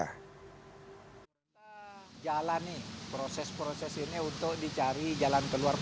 kita jalani proses proses ini untuk dicari jalan keluar